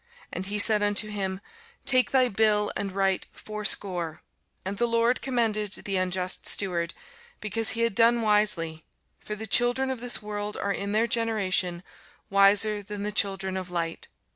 And he said unto him, Take thy bill, and write fourscore. And the lord commended the unjust steward, because he had done wisely: for the children of this world are in their generation wiser than the children of light.